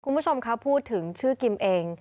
คุณผู้ชมคะพูดถึงชื่อกิมเอง